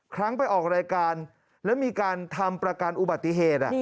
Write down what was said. ครั้งไปออกรายการแล้วมีการทำประกันอุบัติเหตุ